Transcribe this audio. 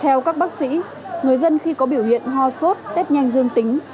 theo các bác sĩ người dân khi có biểu hiện ho sốt test nhanh dương tính